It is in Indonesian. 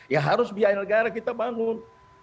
ya harus biaya negara kita bangun